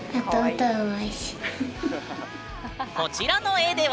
こちらの絵では。